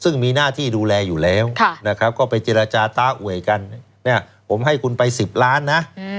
ซึ่งมีหน้าที่ดูแลอยู่แล้วก็ไปเจรจาตาอวยกันผมให้คุณไป๑๐ล้านนะ